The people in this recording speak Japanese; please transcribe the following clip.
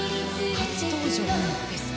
初登場ですね。